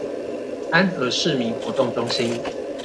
安和市民活動中心